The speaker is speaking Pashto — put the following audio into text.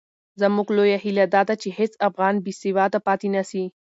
زموږ لویه هیله دا ده چې هېڅ افغان بې سواده پاتې نه سي.